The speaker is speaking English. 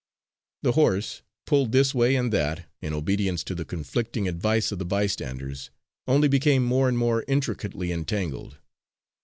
The horse, pulled this way and that, in obedience to the conflicting advice of the bystanders, only became more and more intricately entangled.